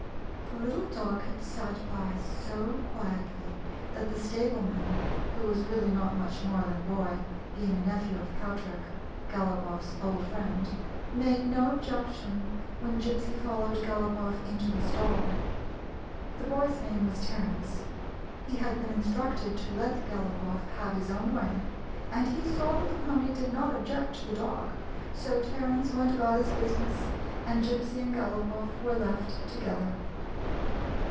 The little dog had sat by so quietly that the stableman — who was really not much more than a boy, being a nephew of Patrick, Galopoff 's old friend — made no objection when Gypsy followed *74 A CONFIDENTIAL TALK Galopoff into the stall. The boy's name was Terence. He had been instructed to let Galopoff have his own way, and he saw that the pony did not object to the dog ; so Terence went about his business, and Gypsy and Galopoff were left together.